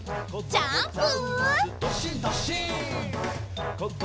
ジャンプ！